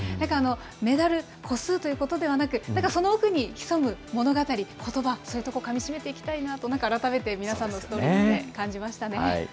メダル、個数ということではなく、なんかその奥に潜む物語、ことば、そういうことをかみしめていきたいなと、なんか改めて皆さんのストーリー見て感じましたね。